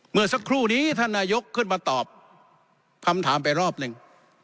เมื่อสักครู่นี้ท่านนายกขึ้นมาตอบคำถามไปรอบหนึ่ง